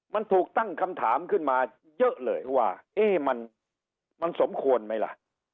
มันถูกตั้งคำถามขึ้นมาเยอะเลยว่ามันสมควรไหมล่ะ